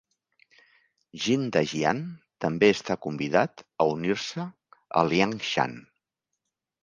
Jin Dajian també està convidat a unir-se a Liangshan.